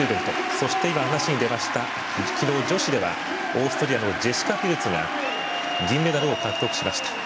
そして、話に出ました女子ではオーストリアのジェシカ・ピルツが銀メダルを獲得しました。